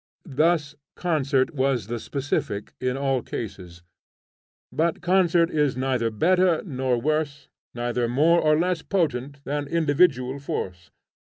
Thus concert was the specific in all cases. But concert is neither better nor worse, neither more nor less potent than individual force.